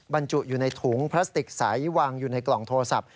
บรรจุอยู่ในถุงพลาสติกใสวางอยู่ในกล่องโทรศัพท์